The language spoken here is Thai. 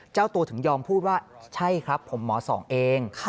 เจ้าตัวถึงยอมพูดว่าใช่ครับผมหมอสองเอง